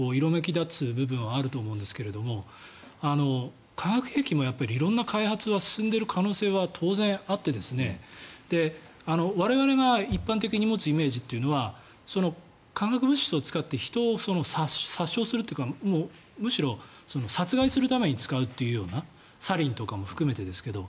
だつ部分はあると思うんですけれども化学兵器も色んな開発が進んでいる可能性は当然あって我々が一般的に持つイメージは化学物質を使って人を殺傷するというかむしろ殺害するために使うというようなサリンとかも含めてですけど。